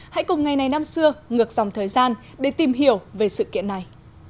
hãy cùng ngày này năm xưa ngược dòng thời gian để tìm hiểu về sự kiện này